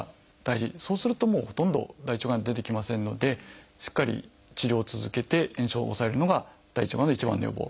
そうするともうほとんど大腸がん出てきませんのでしっかり治療を続けて炎症を抑えるのが大腸がんの一番の予防。